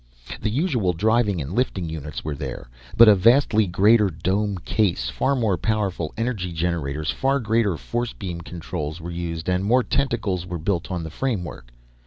The usual driving and lifting units were there, but a vastly greater dome case, far more powerful energy generators, far greater force beam controls were used and more tentacles were built on the framework.